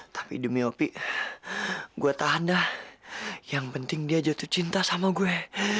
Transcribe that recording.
tapi demi opi gua tahan dah yang penting dia jatuh cinta sama gue